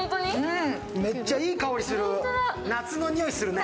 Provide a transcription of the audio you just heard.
めっちゃいい香りする。